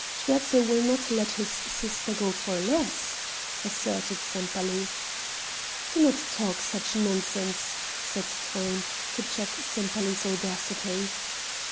"Sterzl will not let his sister go for less," asserted Sempaly. "Do not talk such nonsense," said Truyn, to check Sempaly's audacity.